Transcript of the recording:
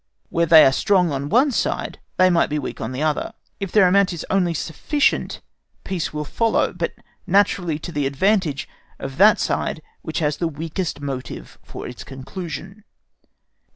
Where they are strong on one side, they might be weak on the other. If their amount is only sufficient, peace will follow, but naturally to the advantage of that side which has the weakest motive for its conclusion.